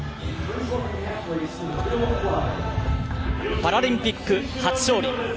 パラリンピック初勝利。